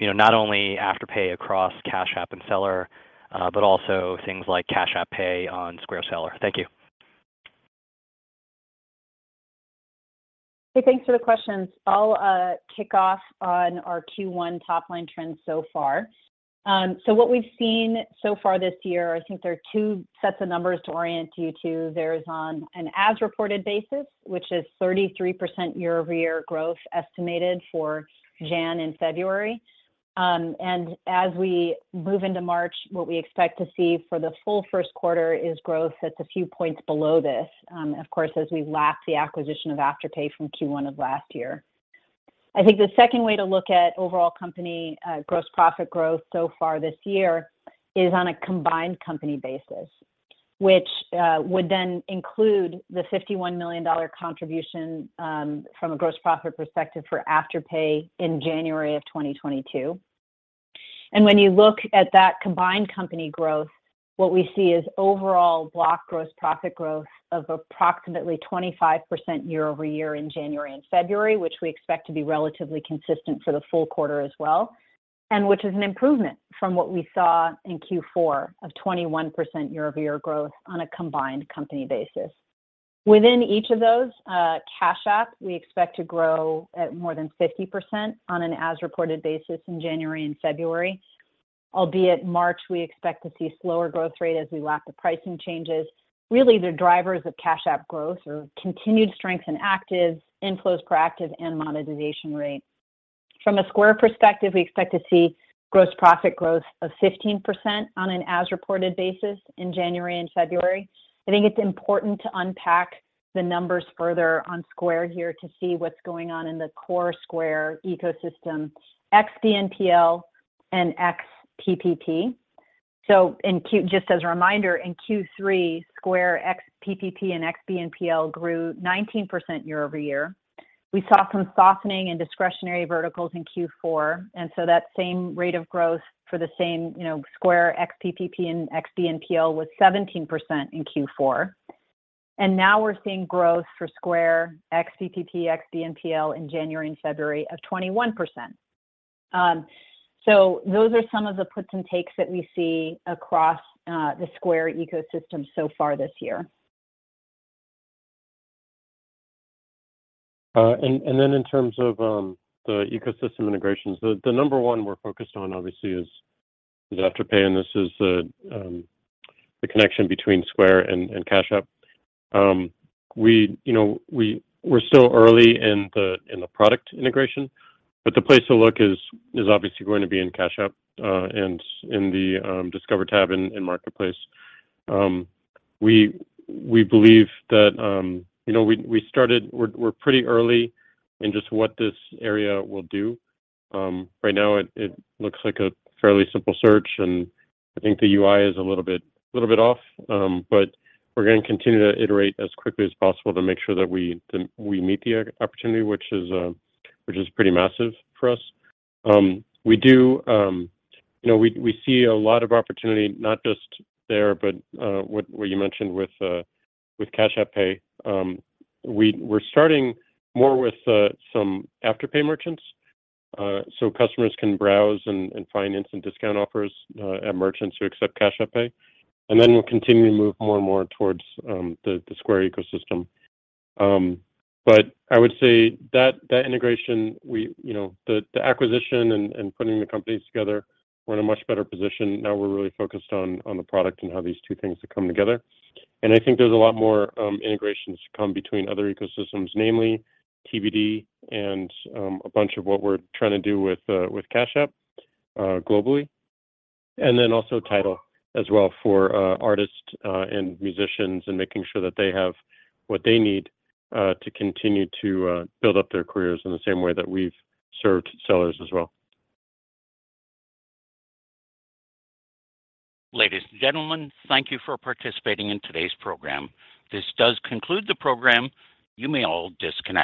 Speaker 11: you know, not only Afterpay across Cash App and Seller, but also things like Cash App Pay on Square Seller? Thank you.
Speaker 4: Hey, thanks for the questions. I'll kick off on our Q1 top line trends so far. What we've seen so far this year, I think there are two sets of numbers to orient you to. There's on an as-reported basis, which is 33% year-over-year growth estimated for January and February. As we move into March, what we expect to see for the full first quarter is growth that's a few points below this, of course, as we lap the acquisition of Afterpay from Q1 of last year. I think the second way to look at overall company gross profit growth so far this year is on a combined company basis, which would then include the $51 million contribution from a gross profit perspective for Afterpay in January of 2022. When you look at that combined company growth, what we see is overall Block gross profit growth of approximately 25% year-over-year in January and February, which we expect to be relatively consistent for the full quarter as well, which is an improvement from what we saw in Q4 of 21% year-over-year growth on a combined company basis. Within each of those, Cash App, we expect to grow at more than 50% on an as-reported basis in January and February, albeit March, we expect to see slower growth rate as we lap the pricing changes. Really, the drivers of Cash App growth are continued strength in actives, inflows per active, and monetization rate. From a Square perspective, we expect to see gross profit growth of 15% on an as-reported basis in January and February. I think it's important to unpack the numbers further on Square here to see what's going on in the core Square ecosystem, ex BNPL and ex PPP. Just as a reminder, in Q3, Square ex PPP and ex BNPL grew 19% year-over-year. We saw some softening in discretionary verticals in Q4, that same rate of growth for the same, you know, Square ex PPP and ex BNPL was 17% in Q4. Now we're seeing growth for Square ex PPP, ex BNPL in January and February of 21%. Those are some of the puts and takes that we see across the Square ecosystem so far this year.
Speaker 3: Then in terms of the ecosystem integrations, the number one we're focused on obviously is Afterpay, and this is the connection between Square and Cash App. We, you know, we're still early in the product integration, but the place to look is obviously going to be in Cash App, and in the Discover Tab in Marketplace. We believe that, you know, we started. We're pretty early in just what this area will do. Right now it looks like a fairly simple search, and I think the UI is a little bit off. We're gonna continue to iterate as quickly as possible to make sure that we meet the opportunity, which is pretty massive for us. We do, you know, we see a lot of opportunity not just there, but what you mentioned with Cash App Pay. We're starting more with some Afterpay merchants, so customers can browse and finance and discount offers at merchants who accept Cash App Pay. Then we'll continue to move more and more towards the Square ecosystem. I would say that integration, we, you know, the acquisition and putting the companies together, we're in a much better position. Now we're really focused on the product and how these two things can come together. I think there's a lot more integrations to come between other ecosystems, namely TBD and a bunch of what we're trying to do with Cash App globally. Tidal as well for artists and musicians, and making sure that they have what they need to continue to build up their careers in the same way that we've served sellers as well.
Speaker 1: Ladies and gentlemen, thank you for participating in today's program. This does conclude the program. You may all disconnect.